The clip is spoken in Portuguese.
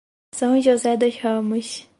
São José dos Ramos